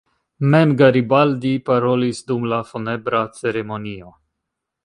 Mem Garibaldi parolis dum la funebra ceremonio.